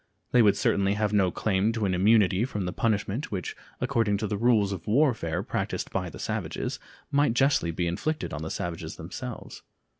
They would certainly have no claim to an immunity from the punishment which, according to the rules of warfare practiced by the savages, might justly be inflicted on the savages themselves.